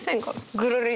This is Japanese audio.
ぐるり。